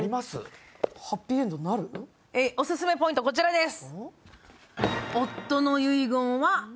おすすめポイント、こちらです。